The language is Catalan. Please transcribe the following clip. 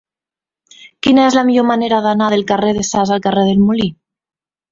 Quina és la millor manera d'anar del carrer de Sas al carrer del Molí?